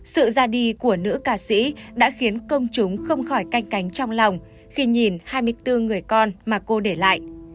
sự ra đi của nữ ca sĩ đã khiến công chúng không khỏi canh cánh trong lòng khi nhìn hai mươi bốn người con mà cô để lại